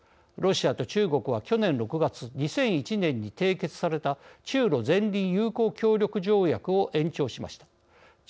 ロシアと中国は去年６月、２００１年に締結された中ロ善隣友好協力条約を延長しました。